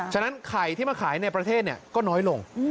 ฉะนั้นไข่ที่มาขายในประเทศก็น้อยลง